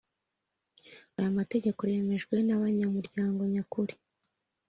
Aya mategeko yemejwe n abanyamuryango nyakuri